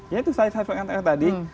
ya itu saya sampaikan tadi